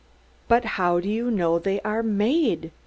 "But how do you know they are _made?